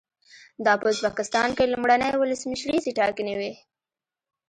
دا په ازبکستان کې لومړنۍ ولسمشریزې ټاکنې وې.